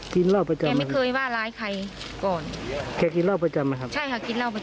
กินเล่าประจำนะครับ